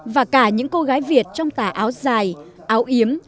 và cả những cô gái việt trong tả áo dài áo yếm